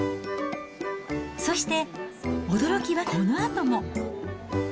そして、驚きはこのあとも。